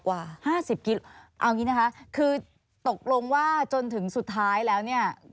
เอาอย่างนี้นะคะคือตกลงว่าจนถึงสุดท้ายแล้วเนี่ย